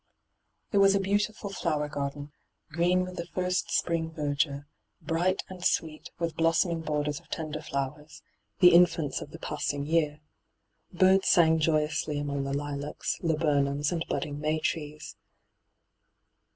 It was a beautiful flower garden, green with the first spring verdure, bright and sweet with blossoming borders of tender flowers, the infants of the passing year. Birds sang joyously among the lilacs, laburnums, and budding may trees.